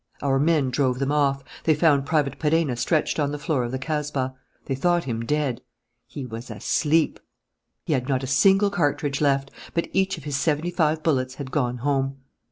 Our men drove them off. They found Private Perenna stretched on the floor of the kasbah. They thought him dead. He was asleep! He had not a single cartridge left. But each of his seventy five bullets had gone home.